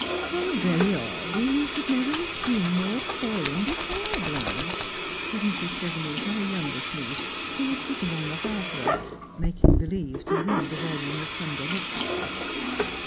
" How very odd that you should never have seen Lord Paulyn before, Blanche !" said Mrs. Chevenix to her youngest niece, who was sitting on the hearth rug making believe to read a volume of Sunday Uterature.